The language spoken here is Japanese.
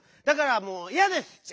だからもういやです！